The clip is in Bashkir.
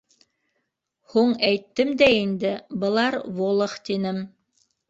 Һуң, әйттем дә инде: былар волох тинем.